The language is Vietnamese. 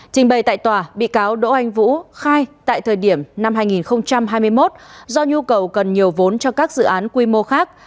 trình bày tại tòa bị cáo đỗ anh vũ khai tại thời điểm năm hai nghìn hai mươi một do nhu cầu cần nhiều vốn cho các dự án quy mô khác